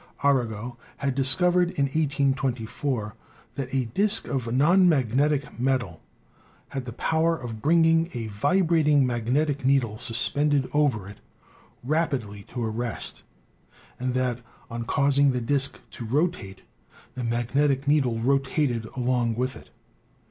Arago* had discovered in 1824 that a disk of non mag netic metal had the power of bringing a vibrating mag netic needle suspended over it rapidly to rest, and that on causing the disk to rotate the magnetic needle rotated along with it.